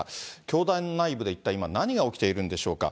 教団内部で一体今、何が起きているんでしょうか。